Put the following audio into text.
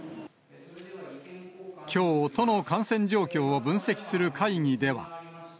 きょう、都の感染状況を分析する会議では。